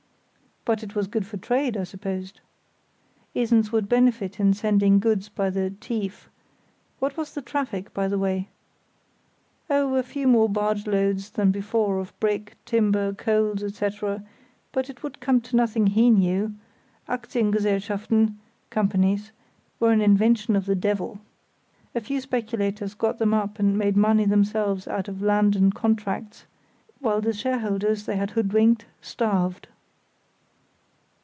"But it was good for trade, I supposed? Esens would benefit in sending goods by the 'tief'—what was the traffic, by the way?" "Oh, a few more barge loads than before of bricks, timber, coals, etc., but it would come to nothing he knew: Aktiengesellschaften (companies) were an invention of the devil. A few speculators got them up and made money themselves out of land and contracts, while the shareholders they had hoodwinked starved."